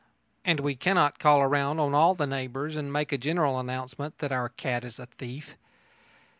And we cannot call round on all the neighbours and make a general announcement that our cat is a thief.